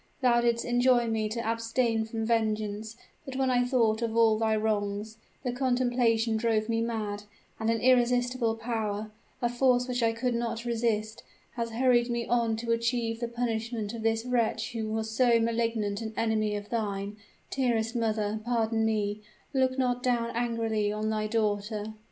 Thou didst enjoin me to abstain from vengeance but when I thought of all thy wrongs, the contemplation drove me mad and an irresistible power a force which I could not resist has hurried me on to achieve the punishment of this wretch who was so malignant an enemy of thine; dearest mother, pardon me look not down angrily on thy daughter!"